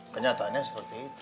kenyataannya seperti itu